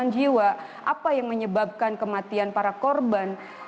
korban jiwa apa yang menyebabkan kematian para korban